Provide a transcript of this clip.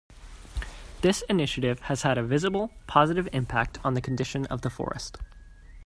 This initiative has had a visible, positive impact on the condition of the forest.